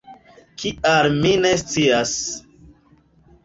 Kial mi ne scias.